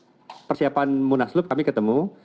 pada saat persiapan munaslup kami ketemu